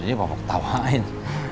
jadi bapak ketawain